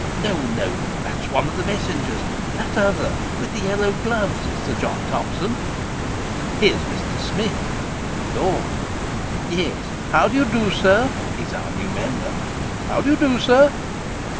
" No, no ; that's one of the messengers that other with the yellow gloves, is Sir John Thomson." " Here's Mr. Smith." " Lor !"" Yes, how d'ye do, sir ? (He is our new member) How do you do, sir